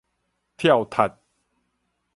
跳踢